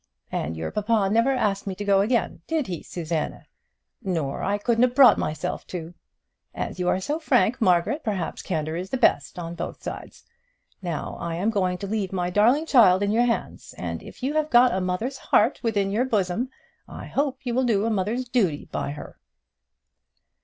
And your papa never asked me to go again did he, Susanna? Nor I couldn't have brought myself to. As you are so frank, Margaret, perhaps candour is the best on both sides. Now I am going to leave my darling child in your hands, and if you have got a mother's heart within your bosom, I hope you will do a mother's duty by her."